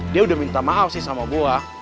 dia udah minta maaf sih sama buah